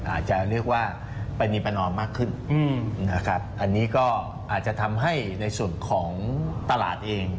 อาจจะเรียกว่าปรณีประนอมมากขึ้นนะครับอันนี้ก็อาจจะทำให้ในส่วนของตลาดเอง